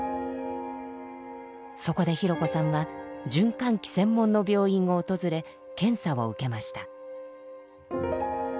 そこでひろこさんは循環器専門の病院を訪れ検査を受けました。